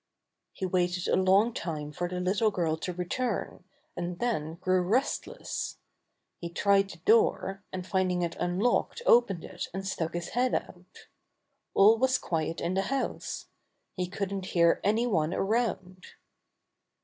He waited a long time for the little girl to return, and then grew restless. He tried the door, and finding it unlocked opened it and stuck his head out. All was quiet in the house. He couldn't hear any one around.